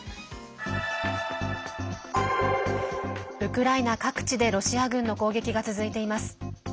ウクライナ各地でロシア軍の攻撃が続いています。